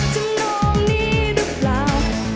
ช่างน้องนี้รึเปล่า